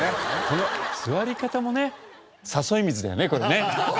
この座り方もね誘い水だよねこれね。